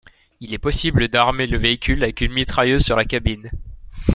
Il est possible d'armer le véhicule avec une mitrailleuse sur la cabine.